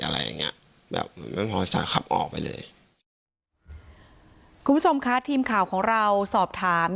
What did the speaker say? อะไรอย่างเงี้ยแบบไม่พอใจขับออกไปเลยคุณผู้ชมค่ะทีมข่าวของเราสอบถาม